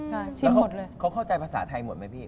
ใช่ชิมหมดเลยแล้วเขาเข้าใจภาษาไทยหมดมั้ยพี่